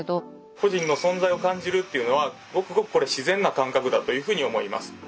個人の存在を感じるっていうのはごくごくこれ自然な感覚だというふうに思います。